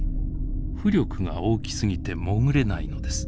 浮力が大きすぎて潜れないのです。